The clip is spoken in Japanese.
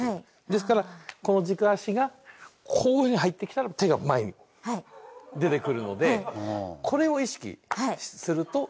ですからこの軸足がこういうふうに入ってきたら手が前に出てくるのでこれを意識するといいと思います。